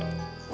lo udah ngerti